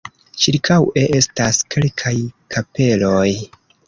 Ĉirkaŭe estas kelkaj kapeloj.